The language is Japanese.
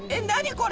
これ。